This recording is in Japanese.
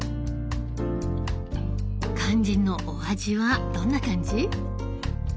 肝心のお味はどんな感じ？